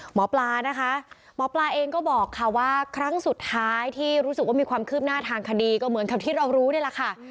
หมอปลานะคะหมอปลาเองก็บอกค่ะว่าครั้งสุดท้ายที่รู้สึกว่ามีความคืบหน้าทางคดีก็เหมือนกับที่เรารู้นี่แหละค่ะ